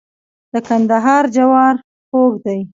د کندهار جوار خوږ دي.